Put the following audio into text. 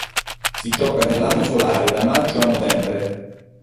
Si gioca nell'anno solare, da maggio a novembre.